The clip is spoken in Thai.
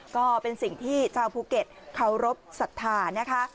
ก็เป็นสิ่งที่เจ้าภูเก็ตเคารพสัตว์ฐานนะคะ